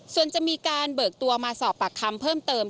ส่วนจะมีการเบิกตัวมาสอบปากคำเพิ่มเติม